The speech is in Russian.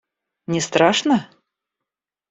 Не страшно?